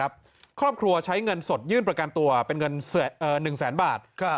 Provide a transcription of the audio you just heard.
ครอบครัวใช้เงินสดยื่นประกันตัวเป็นเงิน๑แสนบาท